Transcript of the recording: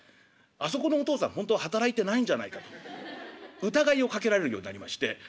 「あそこのお父さんほんとは働いてないんじゃないか」と疑いをかけられるようになりましてええ